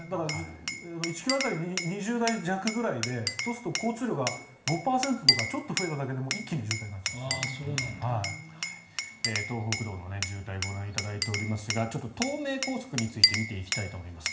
１ｋｍ当たり２０台弱でそうすると交通量が５％とかちょっと増えただけでも東北道の渋滞をご覧いただいていますが東名高速について見ていきたいと思います。